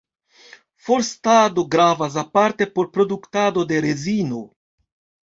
Forstado gravas aparte por produktado de rezino.